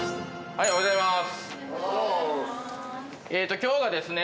おはようございます。